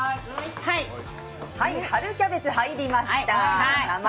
春キャベツ入りました。